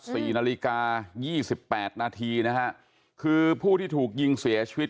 สี่นาฬิกายี่สิบแปดนาทีนะฮะคือผู้ที่ถูกยิงเสียชีวิต